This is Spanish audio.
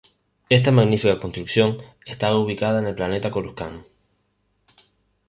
Esta magnífica construcción estaba ubicada en el planeta Coruscant.